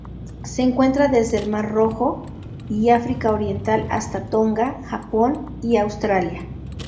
Se encuentra desde el mar Rojo y África Oriental hasta Tonga, Japón y Australia.